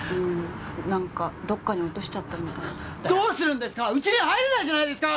何かどっかに落としちゃったみたいどうするんですか入れないじゃないですか！